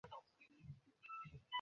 আসলে, ভাবতেও পারবে না আমি কতটা জোশ।